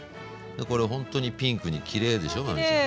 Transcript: これほんとにピンクにきれいでしょ真海ちゃん。